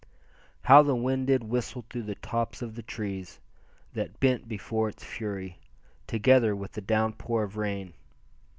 How the wind did whistle through the tops of the trees, that bent before its fury, together with the downpour of rain.